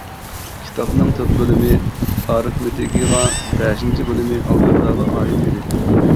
كىتابنىڭ تۆت بۆلۈمى ئارىفمېتىكىغا، بەشىنچى بۆلۈمى ئالگېبراغا ئائىت ئىدى.